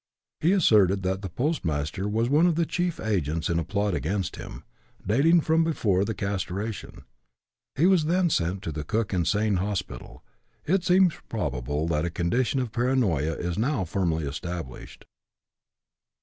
He asserted that the postmaster was one of the chief agents in a plot against him, dating from before the castration. He was then sent to the Cook Insane Hospital. It seems probable that a condition of paranoia is now firmly established.